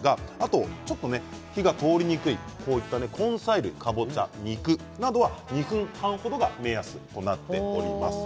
ちょっと火が通りにくい根菜類、かぼちゃ、肉などは２分半程が目安となっております。